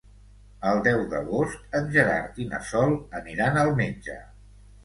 El deu d'agost en Gerard i na Sol aniran al metge.